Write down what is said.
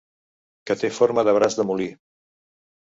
Que té forma de braç de molí.